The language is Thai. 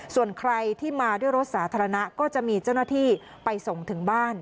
ส่วนใครที่มาด้วยรถสาธารณะก็จะมีเจ้าหน้าที่ไปส่งถึงบ้าน